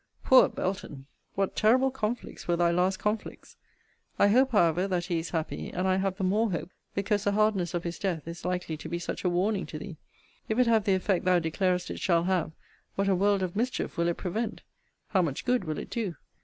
Poor Belton! what terrible conflicts were thy last conflicts! I hope, however, that he is happy: and I have the more hope, because the hardness of his death is likely to be such a warning to thee. If it have the effect thou declarest it shall have, what a world of mischief will it prevent! how much good will it do!